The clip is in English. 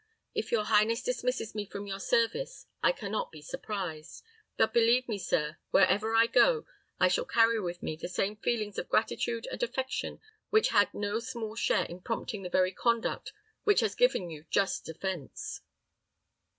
If your highness dismisses me from your service, I can not be surprised; but believe me, sir, wherever I go, I shall carry with me the same feelings of gratitude and affection which had no small share in prompting the very conduct which has given you just offense."